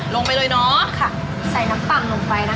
ลงไปเลยเนอะค่ะใส่น้ำปังลงไปนะคะ